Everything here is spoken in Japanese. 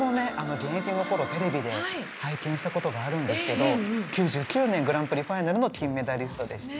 現役の頃テレビで拝見した事があるんですけど９９年グランプリファイナルの金メダリストでして。